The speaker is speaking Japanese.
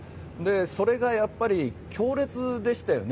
それがやっぱり、強烈でしたよね